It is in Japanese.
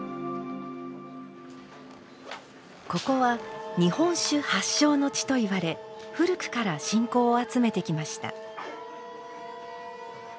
ここは日本酒発祥の地といわれ古くから信仰を集めてきました。